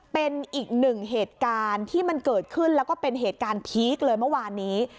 เป็นอีกหนึ่งเหตุการณ์ที่มันเกิดขึ้นแล้วก็เป็นเหตุการณ์พีคเลยเมื่อวานนี้